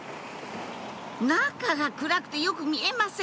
中が暗くてよく見えません